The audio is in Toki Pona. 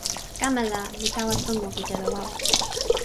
kama la, mi tawa tomo pi telo wawa.